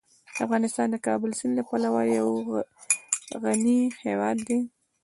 افغانستان د کابل سیند له پلوه یو غني هیواد دی.